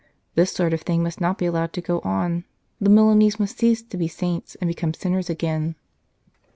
This sort of thing must not be allowed to go on ; the Milanese must cease to be 104 Church versus State saints, and become sinners again.